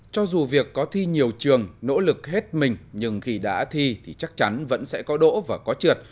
cho dù việc có thi nhiều trường nỗ lực hết mình nhưng khi đã thi thì chắc chắn vẫn sẽ có đỗ và có trượt